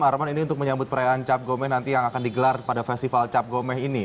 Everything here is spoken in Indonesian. arman ini untuk menyambut perayaan cap gome nanti yang akan digelar pada festival cap gome ini